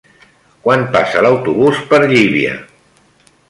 Quan passa l'autobús per Llívia?